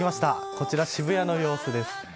こちら渋谷の様子です。